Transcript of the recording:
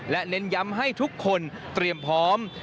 และเน้นย้ำให้ทุกคนเตรียมพร้อม